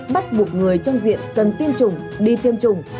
bắt buộc người trong diện cần tiêm chủng đi tiêm chủng